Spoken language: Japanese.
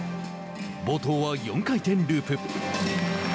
冒頭は４回転ループ。